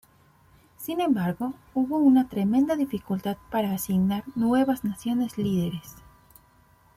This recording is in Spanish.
Sin embargo, hubo una tremenda dificultad para asignar nuevas naciones líderes.